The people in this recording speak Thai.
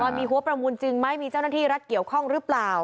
ว่ามีหัวปรมูลจึงมีเจ้าหน้าที่รัฐเกี่ยวข้องรึเปล่า